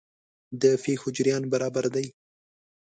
د پېښو جریان برابر دی.